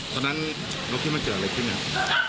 ตอนนั้นนกพี่มาเจออะไรขึ้นครับ